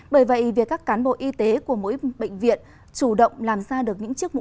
bởi vậy việc các cán bộ y tế của mỗi bệnh viện chủ động làm ra được những chiếc mũ